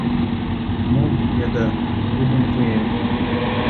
Мом йодат, тудым пуэм».